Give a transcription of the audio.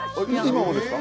今もですか？